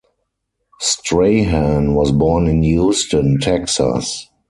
Strahan was born in Houston, Texas.